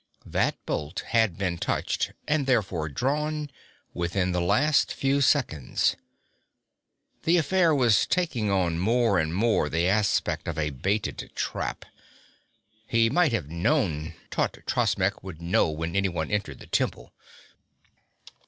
That bolt had been touched and therefore drawn within the last few seconds. The affair was taking on more and more of the aspect of a baited trap. He might have known Totrasmek would know when anyone entered the temple.